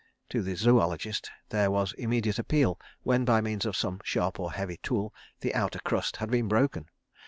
To the zoologist there was immediate appeal when, by means of some sharp or heavy tool, the outer crust had been broken.